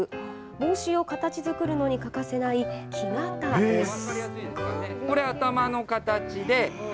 帽子を形づくるのに欠かせない木型です。